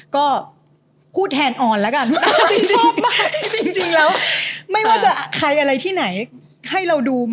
ก็พูดแทนออนแล้วกันจริงแล้วไม่ว่าจะใครอะไรที่ไหนให้เราดู